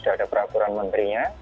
sudah ada peraturan memberinya